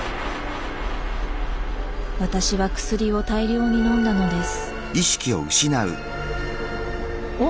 私は薬を大量に飲んだのです。